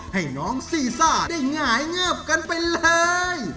ให้น้องซีซ่าได้หงายเงิบกันไปเลย